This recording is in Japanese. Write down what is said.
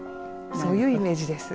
そういうイメージです。